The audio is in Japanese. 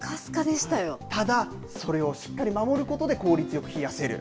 ただ、それをしっかり守ることで効率よく冷やせる。